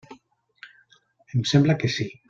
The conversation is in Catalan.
Em sembla que sí.